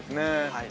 ◆はい。